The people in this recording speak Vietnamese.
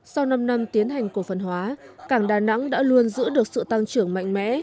sau năm năm tiến hành cổ phần hóa cảng đà nẵng đã luôn giữ được sự tăng trưởng mạnh mẽ